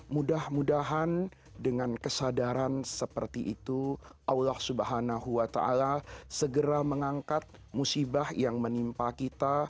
mudah mudahan dengan kesadaran seperti itu allah swt segera mengangkat musibah yang menimpa kita